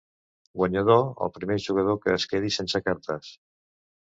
Guanyador: el primer jugador que es quedi sense cartes.